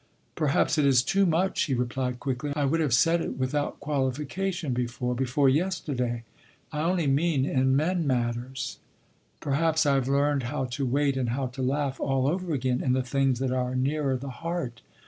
"Perhaps it is too much," he replied quickly. "I would have said it without qualification before—before yesterday. I only mean in men matters. Perhaps I have to learn how to wait and how to laugh all over again in the things that are nearer the heart.